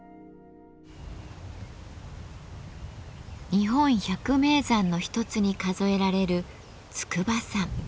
日本百名山の一つに数えられる筑波山。